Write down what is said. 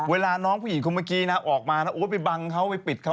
เวลาน้องผู้หญิงคนเมื่อกี้นะออกมานะไปบังเขาไปปิดเขา